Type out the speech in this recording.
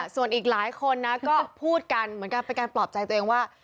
ส่วนอีกหลายคนนะก็พูดกันเหมือนกับเป็นการปลอบใจตัวเองว่า